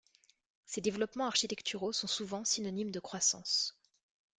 Ces développements architecturaux sont souvent synonymes de croissance.